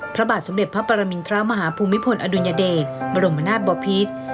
พระบาทสมเด็จพระปรมินทรมาฮภูมิพลอดุลยเดชบรมนาศบพิษ